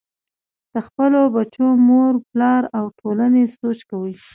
د خپلو بچو مور و پلار او ټولنې سوچ کوئ -